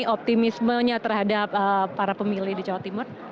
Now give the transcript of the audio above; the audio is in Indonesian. optimismenya terhadap para pemilih di jawa timur